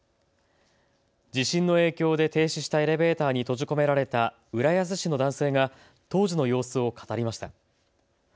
地震の影響で停止したエレベーターに閉じ込められた浦安市の男性が当時の様子を語りました。